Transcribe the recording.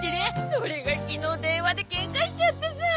それが昨日電話でケンカしちゃってさあ。